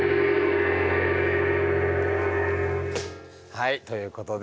はいということで。